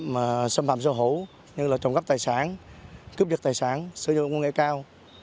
những loại tội phạm xâm phạm sơ hữu như trồng gấp tài sản cướp dật tài sản sử dụng ngu ngại cao